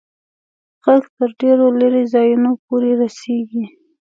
ږغ تر ډېرو لیري ځایونو پوري رسیږي.